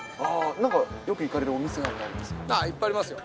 なんかよく行かれるお店なんいっぱいありますよ。